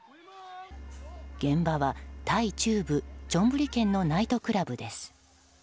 現場はタイ中部チョンブリ県のナイトクラブです。